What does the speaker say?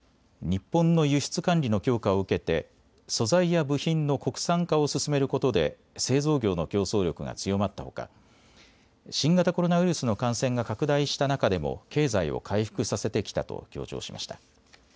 ムン大統領は国民に向けた最後の演説で日本の輸出管理の強化を受けて素材や部品の国産化を進めることで製造業の競争力が強まったほか新型コロナウイルスの感染が拡大した中でも経済を回復させてきたと強調しました。